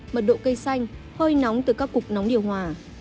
mật độ cây xanh hơi nóng từ các cục nóng điều hòa